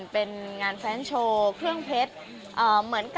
เป็นงานแฟนแชลเครื่องเพชร